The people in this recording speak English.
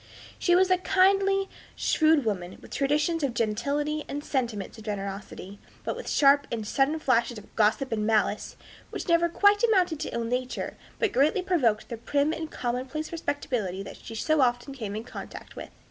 She was a kindly, shrewd woman, with traditions of gentility and sentiments of generosity, but with sharp and sudden flashes of gossip and malice, which never quite amounted to ill nature, but greatly provoked the prim and commonplace respectability that she so often came in contact with.